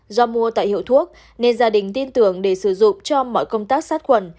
do mua tại hiệu thuốc nên gia đình tin tưởng để sử dụng cho mọi công tác sát khuẩn